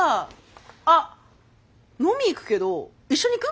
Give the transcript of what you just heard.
あっ飲み行くけど一緒に行く？